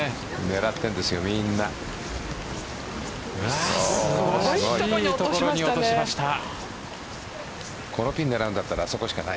狙ったんですよ、みんな。